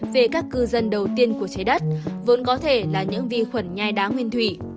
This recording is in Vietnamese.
về các cư dân đầu tiên của trái đất vốn có thể là những vi khuẩn nhai đá nguyên thủy